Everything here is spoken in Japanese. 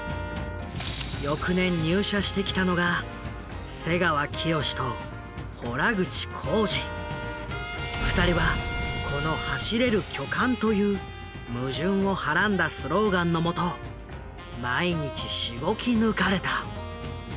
翌年入社してきたのが２人はこの「走れる巨漢」という矛盾をはらんだスローガンの下毎日しごき抜かれた。